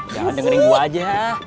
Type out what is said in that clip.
jangan dengerin gua aja